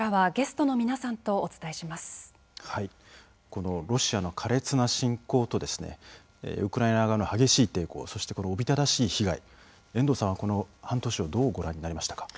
このロシアの苛烈な侵攻とですねウクライナ側の激しい抵抗そしてこのおびただしい被害遠藤さんはこの半年をどうご覧になりましたか。